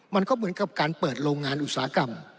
มันก็เหมือนกับการเปิดโรงงานอุตสาหกรรม